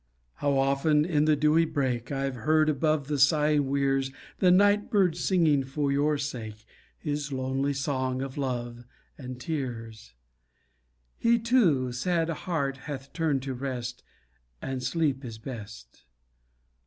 How often in the dewy brake, I've heard above the sighing weirs, The night bird singing for your sake His lonely song of love and tears; He too, sad heart, hath turned to rest, And sleep is best.